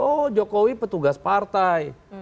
oh jokowi petugas partai